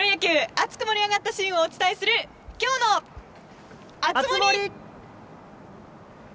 プロ野球、熱く盛り上がったシーンをお伝えする今日の熱盛！